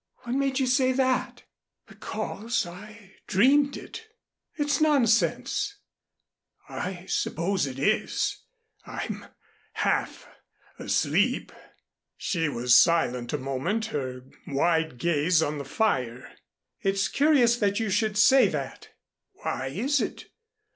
"What made you say that?" "Because I dreamed it." "It's nonsense." "I suppose it is. I'm half asleep." She was silent a moment her wide gaze on the fire. "It's curious that you should say that." "Why is it?